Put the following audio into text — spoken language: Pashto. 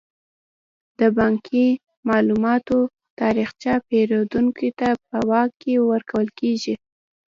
د بانکي معاملاتو تاریخچه پیرودونکو ته په واک کې ورکول کیږي.